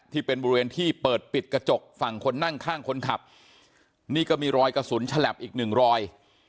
ที่เป็นบริเวณที่เปิดปิดกระจกฝั่งคนนั่งข้างคนขับนี่ก็มีรอยกระสุนฉลับอีกหนึ่งรอย